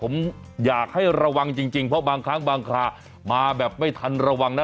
ผมอยากให้ระวังจริงเพราะบางครั้งบางครามาแบบไม่ทันระวังนะ